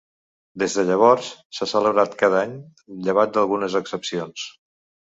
Des de llavors s'ha celebrat cada any, llevat d'algunes excepcions.